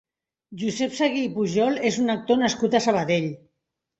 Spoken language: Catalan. Josep Seguí i Pujol és un actor nascut a Sabadell.